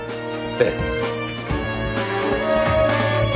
ええ。